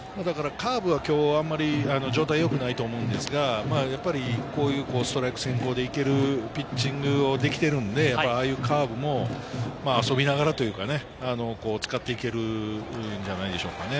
カーブはきょうあんまり、状態がよくないと思うんですが、やっぱりこういうストライク先行でいけるピッチングができているので、ああいうカーブも遊びながらというかね、使っていけるんじゃないでしょうか。